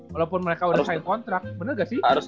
walaupun mereka udah sign kontrak bener gak sih